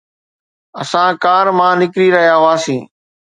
اسان ڪار مان نڪري رهيا هئاسين